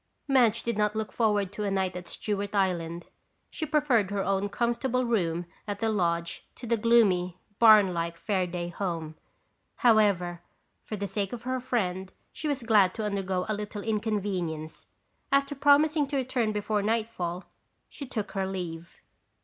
Madge did not look forward to a night at Stewart Island. She preferred her own comfortable room at the lodge to the gloomy, barn like Fairaday home. However, for the sake of her friend, she was glad to undergo a little inconvenience. After promising to return before nightfall, she took her leave.